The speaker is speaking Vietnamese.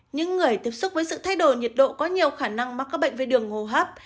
những người tiếp xúc với sự thay đổi nhiệt độ có nhiều khả năng mắc các bệnh về đường hô hấp